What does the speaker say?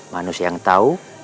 manusia yang tahu